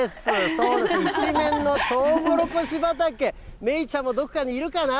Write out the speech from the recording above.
そうです、一面のとうもろこし畑、メイちゃんもどこかにいるかな？